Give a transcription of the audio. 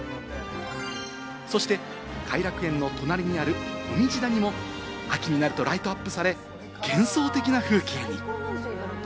そして、偕楽園の隣にある、もみじ谷も秋になるとライトアップされ、幻想的な風景に。